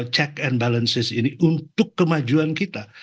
check and balances ini untuk kemajuan kita